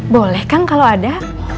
boleh kang kalo ada